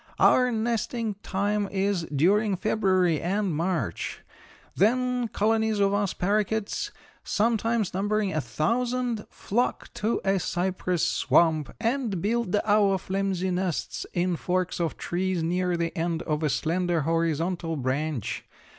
"Our nesting time is during February and March. Then colonies of us paroquets, sometimes numbering a thousand, flock to a cypress swamp and build our flimsy nests in forks of trees, near the end of a slender, horizontal branch.